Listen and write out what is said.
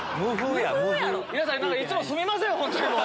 皆さん、いつもすみません、本当に。